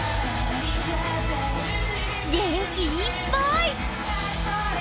元気いっぱい！